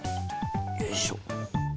よいしょ。